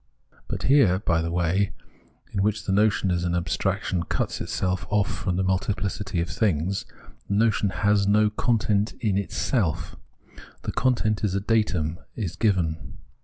But here, by the way in which the notion as an abstraction cuts itself off from the multiplicity of things, the notion has no content in itself ; the content is a datum, is given.